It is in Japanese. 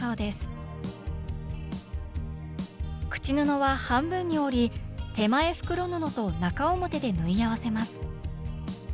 口布は半分に折り手前袋布と中表で縫い合わせます。